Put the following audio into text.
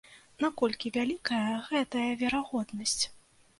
Наколькі вялікая гэтая верагоднасць?